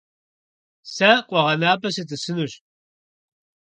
Сэ къуэгъэнапӏэ сытӏысынущ.